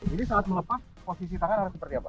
ini saat melepas posisi tangan harus seperti apa